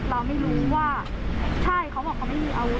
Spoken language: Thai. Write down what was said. เราไม่รู้ว่าใช่เขาบอกเขาไม่มีอาวุธ